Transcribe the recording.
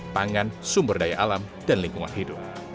pangan sumber daya alam dan lingkungan hidup